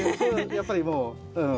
やっぱりもううん。